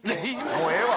もうええわ！